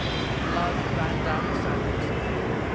Blood ran down the saddles.